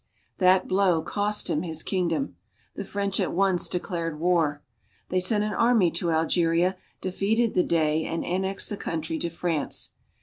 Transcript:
That blow cost him his kingdom. The French at once declared war. They sent an army to Algeria, defeated the Dey, and annexed the country to France.